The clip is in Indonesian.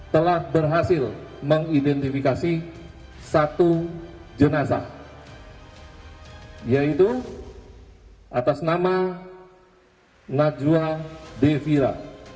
telah berhasil mengidentifikasi satu jenazah yaitu atas nama najwa devira